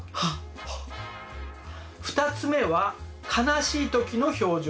２つ目は悲しい時の表情。